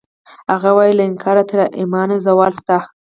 هغه وایی له انکاره تر ایمانه زوال شته